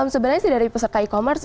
sebenarnya sih dari peserta e commerce